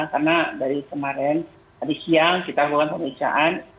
karena dari kemarin dari siang kita lakukan pemeriksaan